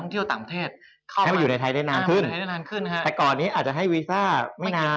แต่ก่อนนี้อาจจะให้วีซ่าไม่นาน